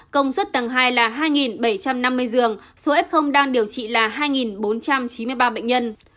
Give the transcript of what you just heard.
công suất tầng hai là hai bảy trăm năm mươi giường số f đang điều trị là hai bốn trăm chín mươi ba bệnh nhân